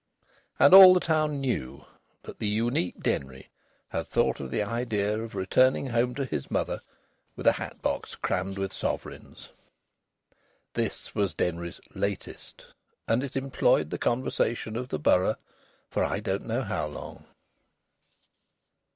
And all the town knew that the unique Denry had thought of the idea of returning home to his mother with a hat box crammed with sovereigns. This was Denry's "latest," and it employed the conversation of the borough for I don't know how long.